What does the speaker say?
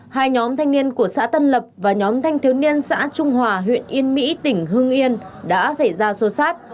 hai nhóm thanh niên của xã tân lập và nhóm thanh thiếu niên xã trung hòa huyện yên mỹ tỉnh hương yên đã xảy ra xô xát